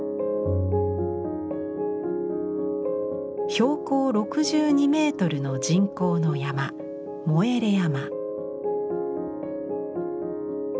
標高６２メートルの人工の山「モエレ山」。